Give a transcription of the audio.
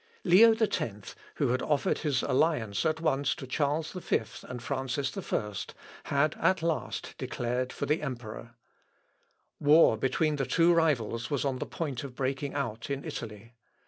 Leo X, who had offered his alliance at once to Charles V and Francis I, had at last declared for the emperor. War between the two rivals was on the point of breaking out in Italy.